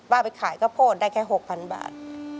ไปขายข้าวโพดได้แค่๖๐๐๐บาท